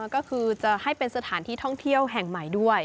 ก็คือจะให้เป็นสถานที่ท่องเที่ยวแห่งใหม่ด้วย